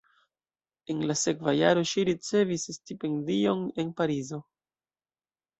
En la sekva jaro ŝi ricevis stipendion en Parizo.